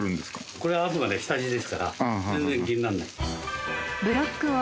これはあくまで下地ですから全然気にならない。